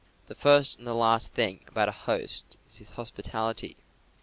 The first and the last thing about a host is his hospitality.